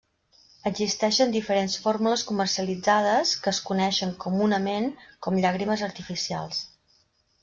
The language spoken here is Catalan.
Existeixen diferents fórmules comercialitzades que es coneixen comunament com llàgrimes artificials.